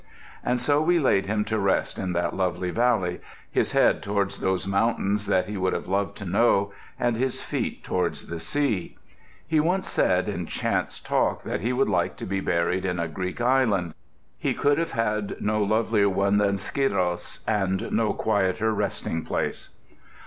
And so we laid him to rest in that lovely valley, his head towards those mountains that he would have loved to know, and his feet towards the sea. He once said in chance talk that he would like to be buried in a Greek island. He could have no lovelier one than Skyros, and no quieter resting place.